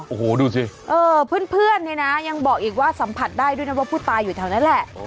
โอ้โหดูสิเพื่อนเนี่ยนะยังบอกอีกว่าสัมผัสได้ด้วยนะว่าผู้ตายอยู่แถวนั้นแหละ